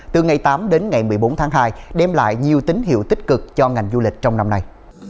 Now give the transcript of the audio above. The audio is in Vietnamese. từ ngày tám đến ngày một mươi bốn tháng hai đem lại nhiều tín hiệu tích cực cho ngành du lịch trong năm nay